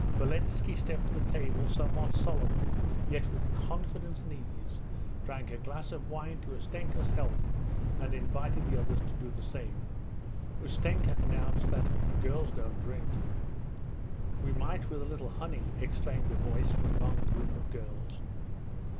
Beletski stepped to the table somewhat solemnly yet with confidence and ease, drank a glass of wine to Ustenka's health, and invited the others to do the same. Ustenka announced that girls don't drink. 'We might with a little honey,' exclaimed a voice from among the group of girls.